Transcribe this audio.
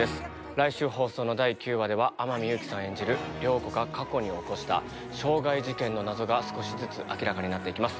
来週放送の第９話では天海祐希さん演じる涼子が過去に起こした傷害事件の謎が少しずつ明らかになっていきます。